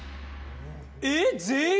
えっ全員？